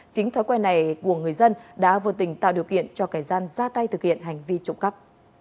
chính thói quen này của người dân đã vô tình tạo điều kiện cho kẻ gian ra tay thực hiện hành vi trộm cắp